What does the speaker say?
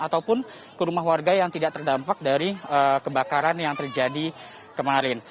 ataupun ke rumah warga yang tidak terdampak dari kebakaran yang terjadi kemarin